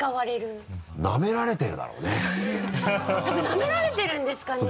やっぱなめられてるんですかね？